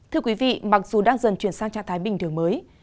thưa quý vị mặc dù đang dần chuyển sang trạng thái bình thường mới